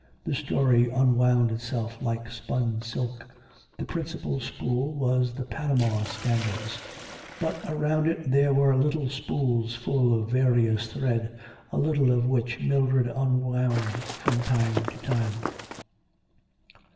The story unwound itself like spun silk. The principal spool was the Panama scandals.... But around it there were little spools full of various thread, a little of which Mildred unwound from time to time.